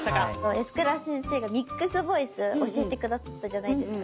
安倉先生がミックスボイス教えて下さったじゃないですか。